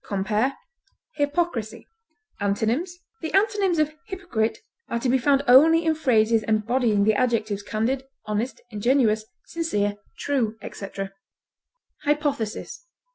Compare HYPOCRISY. Antonyms: The antonyms of hypocrite are to be found only in phrases embodying the adjectives candid, honest, ingenuous, sincere, true, etc. HYPOTHESIS.